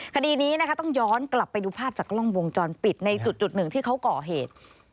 คดีนี้นะคะต้องย้อนกลับไปดูภาพจากกล้องวงจรปิดในจุดหนึ่งที่เขาก่อเหตุ